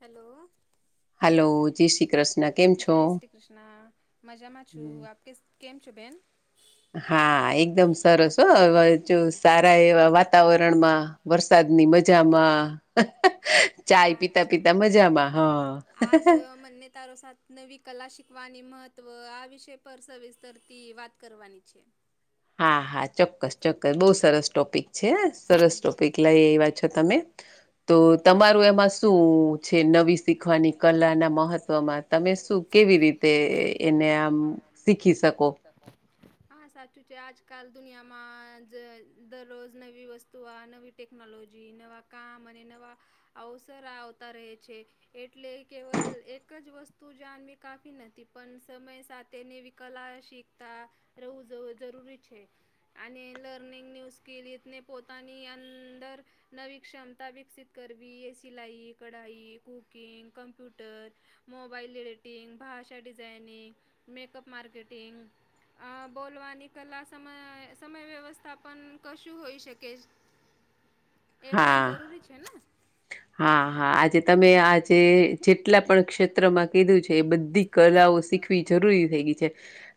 Hello. Jai Shri Krishna મજામાં છું આપ કે. કેમ છો બેન! હા એકદમ સરસ હો, જો સારા એવા વાતાવરણમાં વરસાદની મજામાં. અચ્છા. આજ મનને તારો સાથ નવી કલા શીખવાની મહત્ત્વ. આ વિષય પર સવિસ્તરથી વાત કરવાની છે. હા હા ચોક્કસ ચોક્કસ. બઉુ સરસ ટોપિક છે. સરસ ટોપિક કેલાય એવા છો તમે. તો તમારું એમાં શું? છે. નવી શીખવાની કલાના મહત્વમાં તમે શું? કેવી રીતે એને આમ, ીી સર હા સાચું છે. આજકાલ દુનિયામાં જ દરરોજ નવી વસ્તુ આ નવી ટેકનોલોજી. નવા કામ અને નવા અવસર આવતા રહે છે. એટલે કેવલ એક જ વસ્તુ જાાનવી કાફી નથી. પણ સમય સાથેની કલા શીખતા રહેવું જરૂરી છે. અને લર્નિંગ ન્યુ સ્કિલીને પોતાની અંદર, નવી ક્ષમતા વિકસિત કરવી. એ સિલાઈ, કઢાઈ, કુકિંગ, કમ્પ્યુટર, મોબાઈલ રડિટિંગ, ભાષા ડિઝાઇનિંગ, મેકઅપ માર્કેટિંગ, અ બોલવાની કલા સમય સમય વ્યવસ્થા પન કશું હોઈ શકે. એ પણ જરૂરી છે ને! હા, હા. આજે તમે આજે જેટલા પણ ક્ષેત્રમાં કીધું છે. એ બધી કલાઓ શીખવી જ જરૂરી થઈ ગઈ છે.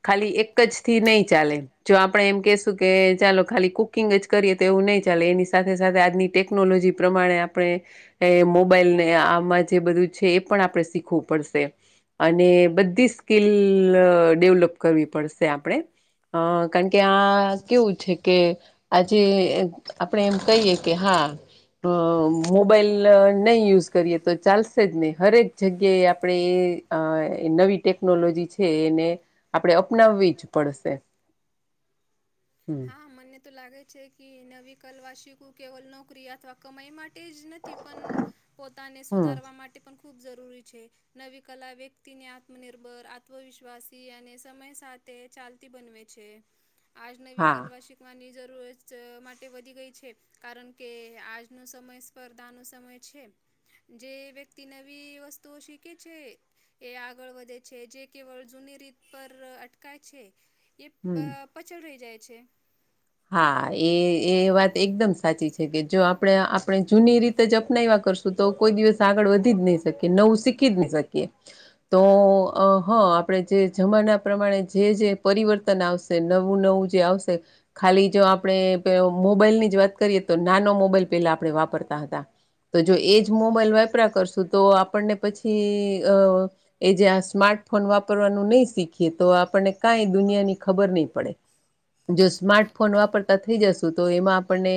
ખાલી એક જ થી નહી ચાલે. જો આપણેે એમ કેશું કે ચાલો ખાલી કુકિંગ જ કરીએ. તો એવું નહી ચાલે. એની સાથે સાથે આજની ટેકનોલોજી પ્રમાણે આપણે એ મોબાઈલ ને આમાં જે બધું છે, એ પણ આપણે શીખવું પડશે. અને બધી સ્કીિલ ડેવલપ કરવી પડશે આપણે. હ કારણ કે આ કેવું છે કે, આજે આપણે એમ કહીએ કે, હા અ મોબાઈલ નહીં યુઝ કરીએ, તો ચાલશે જ નહી. હરેક જગ્યાએ આપણે એ અ નવી ટેકનોલોજી છે એને આપણે અપનાવવી જ પડશે. હમ... હ મને તો લાગે છે કે નવી કલવા શીખું. કેવલ નોકરી અથવા કમાઈ માટે જ નથી પણ, પોતાને સુધારવા માટે પણ ખૂબ જરૂરી છે. નવી કલા વ્યક્તિને આત્મનિર્ભર, આત્મવિશ્વાસી અને સમય સાથે તે ચાલતી બનવે છે. આજ નવી કલવા શીખ ની જરૂરત માટે વધી ગઈ છે. કારણ કે આજનો સમય સ્પર્ધાનો સમય છે. જે વ્યક્તિ નવી વસ્તુઓ શીખે છે. એ આગળ વધે છે. જે કેવળ જૂની રીત પર અટકાય છે. એ પચ પાછળ રહી જાય છે. હા એ એ વાત એકદમ સાચી છે કે, જો આપણે આપણે જૂની રીત અપનાવવા કરશું તો કોઈ દિવસ આગળ વધી જ નહી શકે. નવું શીખ નહીં શકીએ તો, અ હં આપણેે જે જમાના પ્રમાણે જે-જે પરિવર્તન આવશે નવું-નવું જે આવશે. ખાલી જો આપણે મોબાઈલની જ વાત કરીએ. તો નાનો મોબાઈલ પેલા આપણે વાપરતા હતા. તો જો એજ મોબાઈલ વાપરા કરશું, તો આપણને પછી અ એ જે આ સ્માર્ટ ફોન વાપરવાનું નહી શીખીએ, તો આપણને કાઈ દુનિયા ની ખબર નહી પડે. જો સ્માર્ટ ફોન વાપરતા થઈ જશુ. તો એમાં આપણને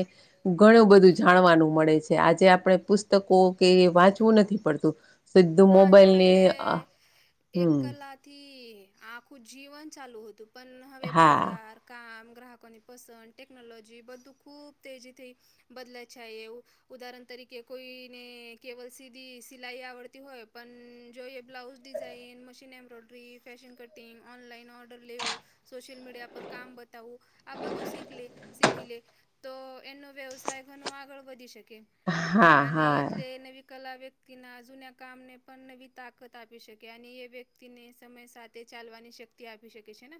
ઘણું બધું જાણવાનું મળે છે. આજે આપણે પ કો કે વાંચવું નથી પડતું સીધું મોબાઈલને હમ. થી આખું જીવન ચાલુ હતું પણ હવે બાજાર કામ ગ્રાહકોની. પસંદ ટેકનોલોજી બધું ખૂબ તેજીથી બદલા છેય એવું. ઉદાહરણ તરીકે કોઈને કેવલ સીધી સિલાઈ આવડતી હોય પણ જો એ blouse. Design machine embroidery fashion cutting online order લેવું. સોશિલ મીડિયા પર કામ બતાવું. આ બધું શીખ લે શીખીલેતો તેનો વ્યવસાય ઘણો આગળ વધી શકે. અને એટલે નવી કલા વ્યક્તિ. વ્યક્તિના જુના કામને પણ નવી તાકત આપી શકે અને એ વ્યક્તિને સમય સાથે ચાલવાની શક્તિ. ત્યા આપી શકે છે ને.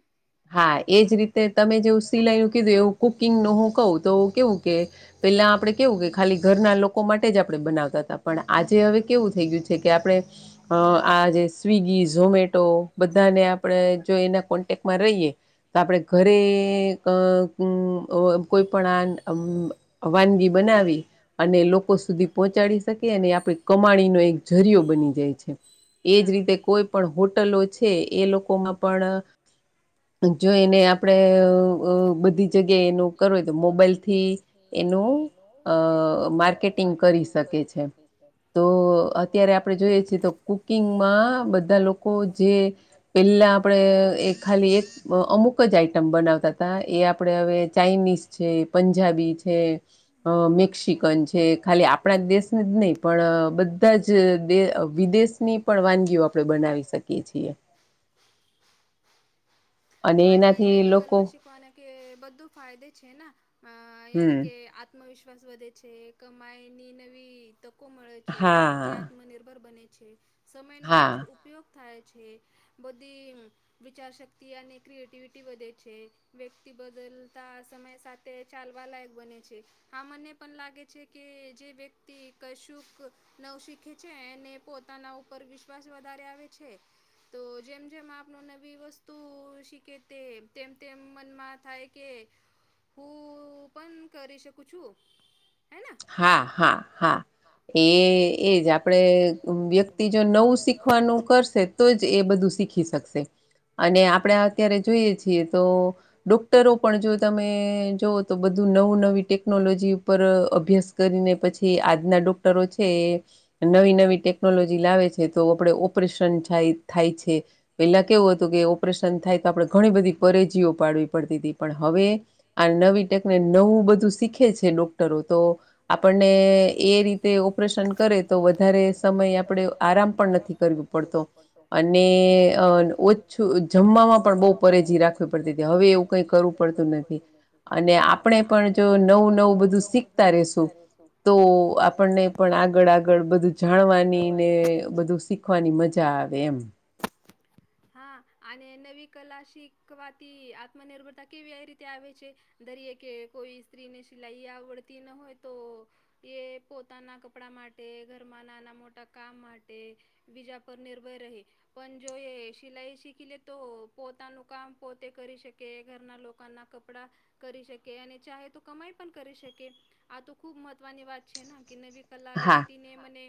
હા એજ રીતે તમે જેવું સિલાઈ નું કીધું એવું કુકિંગ ન હું કહું તો કેવું કે. પેલા આપડે કેવું કે ખાલી ઘરના લોકો માટેજ આપડણે બનાવતા હતા પણ આજે હવે કેવું થઈ ગયું છે. છે કે આપણે અ આજે સ્વિગી ઝોમેટો. બધાને આપણે જો એના કોન્ટેક્ટમાં રહીએ. તો આપણે ઘરે અ ઉ કોઈ પણ આ. વાનગી બનાવી અને લોકો સુધી પહોંચાડી શકે અને આપણે. કમાણીનો એક જરિયો બની જાય છે એજ રીતે કોઈ. પણ હોટલો છે એ લોકોમાં પણ. જો એને આપણેે બધી અ જગ્યાએ એનું કરવુંય તો મોબાઈલથી. એનું અ માર્કેટિંગ કરી શકે છે. તો અત્યારે આપડણે જોઈએ છીએ તો. કુકિંગમાં બધા લોકો જે પેલા આપણેે એ ખાલી એક. અમુક જ આઈટમ બનાવતા હતા એ આપણે હવે ચાઇનીઝ છે પંજાબી છે. અ મેક્સિકન છે ખાલી આપણા દેશને જ નહી પણ બધા. બધાજ દે વિદેશની પણ વાનગીઓ આપડણે બનાવી શકીએ છીએ. અને નવી કરવા શીખવાના કે બધું ફાયદે છે ને અ એને કે. આત્મવિશ્વાસ વધે છે કમાઈ ની નવી તક. મળે છે વ્યક્તિ આત્મનિર્ભર બને છે સમય નો સાચો ઉપયોગ. થાય છે બધી વિચાર શક્તિ અને. ક્રિએટિવિટી વધે છે વ્યક્તિ બદલતા સમય સાથે ચાલવાલાયક બને છે. હા મને પણ લાગે છે કે જે વ્યક્તિ કશુંક. નવ શીખે છે અને પોતાના ઉપર વિશ્વાસ વધારે આવે છે. તો જેમ જેમ આપ નવી વસ્તુ શીખ કે તે તેમ તેમ મનમાં થાય કે હું પણન કરી શકું છું. હા હા હા એ એજ આપણે વ્યક્તિ વ્યતિ જો નવું શીખવાનું કરશે તોજ એ બધું શીખી શકશે. અને આપણે અત્યારે જોઈએ છીએ તો ડોક્ટરો પણ જો તમે જોઓ તો બધું નવું નવી ટેકનોલોજી ઉપર અભ્યાસ કરીને પછી આજના ડૉક્ટરો છે એ નવી નવી ટેકનોલોજી લાવે છે તો આપડ ઓપરેશનાય થાય છે. પેલા કેવું હતું કે ઓપરેશન થાય તો આપણે ઘણી બધી પરેજીઓ પાડવી પડતી હતી. પણ હવે આ નવી ટેકને નવું બધું શીખે છે ડોક્ટરો તો આપણને એ રીતે ઓપરેશન કરે તો વધારે સમય આપણે આરામ પણ નથી કરવું પડતો અને ઓછો જમવામાં પણ બહુ પરેજી રાખવી પડતી હતી હવે એવું કઈ કરવું પડતું નથી. અને આપણે પણ જો નવું નવું બધું શીખતા રહેશું. તો આપણને પણ આગળ આગળ બધું જાણવાની ને બધું શીખવાની મજા આવે એમ. હા અને નવી કલા શીખવાથી આત્મનિર્ભરતા કેવી એ રીતે આવે છે? દરીયે કે કોઈ સ્ત્રીને સિલાઈ આવડતી ન હોય તો કે પોતાના કપડા માટે, ઘરમાં નાના મોટા કામ માટે, બીજા પર નિર્ભર રહે. પણ જો એ સિલાઈ શીખી લે તો પોતાનું કામ પોતે કરી શકે ઘરના લોકો દકાનના કપડા. કરી શકે અને ચાહે તો કમાઈ પણ કરી શકે. આ તો ખુબ મહત્વની વાત છે કે નવી કલા વ્યક્તિને મને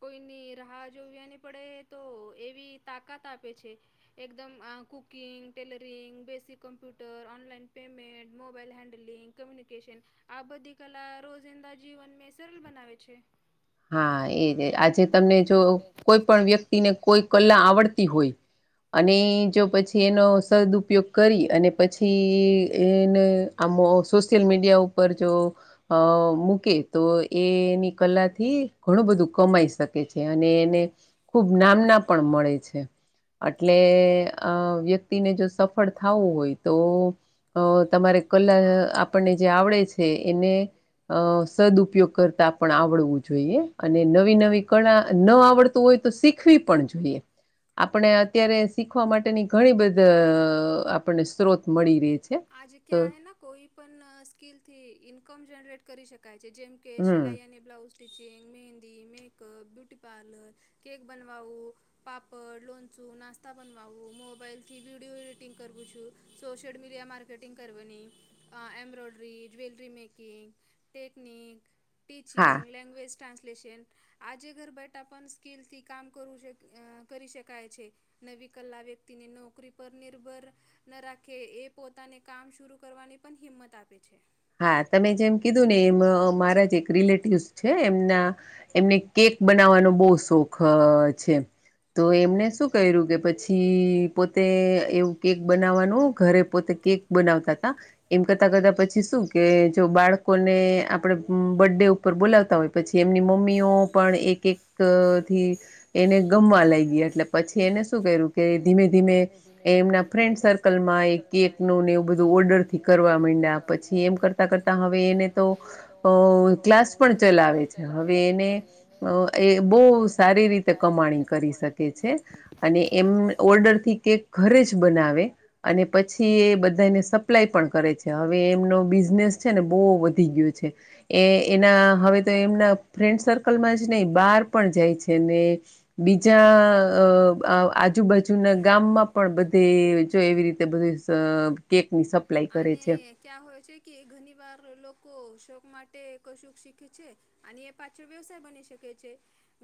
કોઈની રાહ જોવાની પડે તો એ બી તાકાત આપે છે. એકદમ cooking, tailoring, basic computer, online payment, mobile handling, communication આ બધી કલા રોજિંદા જીવન મે સરળ બનાવે છે. હા એજ આજે તમને જો કોઈ પણ વ્યક્તિ ને કોઈ કલા આવડતી હોય. અને જો પછી એનો સદઉપયોગ કરી અને પછી એને આમ સોશિયલ મીડિયા ઉપર જો અ મૂકે તો એ એની કલા થી ઘણું બધું કમાઈ શકે છે અને એને ખૂબ નામના પણ મળે છે. એટલે અ વ્યક્તિને જો સફળ થવુ હોય તો અ તમારે કલા આપણને જે આવડે છે એને. અ સદ્ઉપયોગ કરતા પણ આવડવું છે. જોઈએ અને નવી નવી કળા ન આવડતું હોય તો શીખવી પણ જોઈએ. આપણે અત્યારે શીખવા માટેની ઘણી બધી આપણને સ્ત્રોત મળી રહે છે. આજે ક્યાય કોઈ પણ સ્કીિલ થી ઈન્કમ જનરેટ કરી શકાય છે જેમ કે કે સિલાઈ અને blouse ટ્ટીચિંગ, mehndi, makeup, beauty parlour, cake બનવુ. પાપડ, લોનચું, નાસ્તા બનવવું, મોબાઈલ થી વિડીયો એડિટિંગ કરવું છું, સોશિયલ મી ક્રિયા માર્કેટિંગ કરવાની, embroidery, jewellery making, technique, teaching, language translation, આજે ઘર બેઠા પણ સ્કીલ થી કામ કરું કરી શકાય છે. નવી કલા વ્યક્તિને નોકરી પર નિર્ભર ન રાખે એ પોતાને કામ શરુ કરવાની પણ હિંમત આપે છે. હા તમે જેમ કીધું ને એમ મારા જે એક રિલેટિવસ છે એમના એમને કેક બનાવવાનો બહુ શોખ છે. તો એમને શું કર્યું કે પછી પોતે એવું કેક બનાવવાનું ઘરે પોતે કેક. બનાવતા હતા એમ કરતા કરતા. પછી શું કે જો બાળકોને આપણે બર્ડ ડે ઉપર બોલાવતા હોય. પછી એમની મમ્મીઓ પણ એક એક થી એને. ગમવા લઈ ગયા એટલે પછી એને શું કર્યું કે ધીમે ધીમે એ એમના ફ્રેન્ડ સર્કલમાં એ કેક ન ને એવું બધું ઓર્ડર થી કરવા મંડ્યા પછી એમ. કરતા કરતા હવે એને તો ક્લાસ પણ ચલાવે છે હવે એને એ બહુ સારી રીતે કમાણી કરી શકે છે. અને એમ ઓર્ડર થી કેક ઘરે જ બનાવે. અને પછી એ બધાને સપ્લાય પણ કરે છે હવે એમનો. બિઝનેસ છે ને બહુ વધી ગયો છે એ એના હવે તો એમના ફ્રેન્ડ સર્કલ માં જ ને બહાર પણ જાય છે ને. બીજા અ આજુબાજુના ગામમાં પણ બધે જો એવી રીતે બધે સ કેકની સપ્લાય કરે છે. ક્યાં હોય છે કે ઘણી વાર લોકો શોખ માટે કશું શીખે છે. અને એ પાછળ વ્યવસાય બની શકે છે.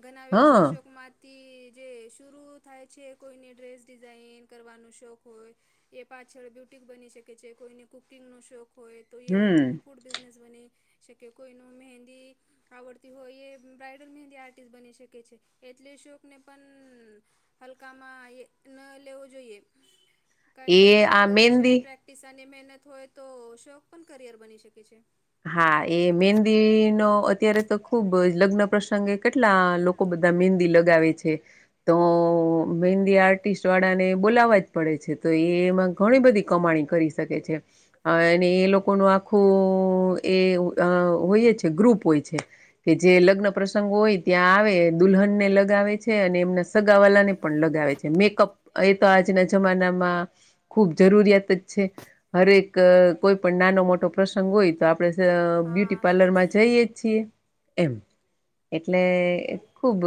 ઘણા વ્યવસાય શોકમાં તે જે શરૂ થાય છે કોઈને ડ્રેસ ડિઝાઇન કરવાનો શોખ હોય. એ પાછળ બ્યુટિક બની શકે છે કોઈને કુકિંગ નો શોખ હોય તો એ હોમ ફૂડ બિઝનેસ બની શકે કોઈનું મહેંદી આવડતી હોય એ બ્રઇડલ મહેંદી આર્ટિસ્ટ બની શકે છે એટલે શોકને પણ હલકામાં ન લેવું જોઈએ યોગ્ય માર્ગદર્શન પ્ર પિસા ની મહેનત હોય તો શોખ પણ કરિયર બની શકે છે હા એ મેંદી નો અત્યારે તો ખુબ લગ્ન પ્રસંગે કેટલા લોકો બધા મહંદી લગાવે છે તો મહેંદી આર્ટિસ્ટવાળાને બોલાવવા જ પડે છે તો એ એમાં ઘણી બધી કમાણી કરી શકે છે. અને એ લોકોનું આખું એ હોય છે ગ્રુપ હોય છે. કે જે લગ્ન પ્રસંગો હોય ત્યાં આવે દુલ્હનને લગાવે છે અને એમના સગાવાલા ને પણ લગાવે છે મેકઅપ એ તો આજના જમાનામાં ખુબ જરૂરિયાત જ છે હરેક કોઈ પણ નાનો મોટો પ્રસંગ હોય તો આપણેે બ્યુટી પાર્લર માં જઈએ છીએ એમ એટલે ખુબ